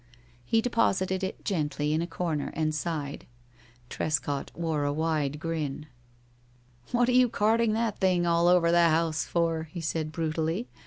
He deposited it gently in a corner, and sighed. Trescott wore a wide grin. "What are you carting that thing all over the house for?" he said, brutally.